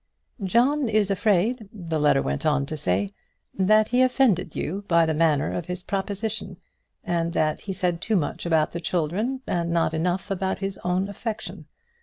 "John is afraid," the letter went on to say, "that he offended you by the manner of his proposition; and that he said too much about the children, and not enough about his own affection.